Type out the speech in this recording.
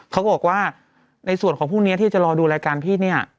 เขาบอกว่าในส่วนของพรุ่งนี้ที่จะรอดูรายการพี่เนี่ย